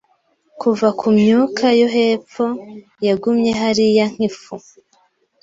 Kuva kumyuka yo hepfo yagumye hariya nkifu